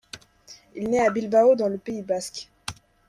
Il naît à Bilbao dans le Pays basque.